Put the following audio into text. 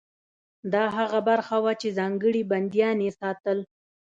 دا هغه برخه وه چې ځانګړي بندیان یې ساتل.